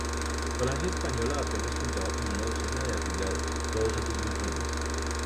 Falange Española apenas contaba con una docena de afiliados, todos ellos muy jóvenes.